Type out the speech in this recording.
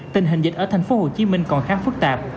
tình hình dịch ở tp hcm còn khá phức tạp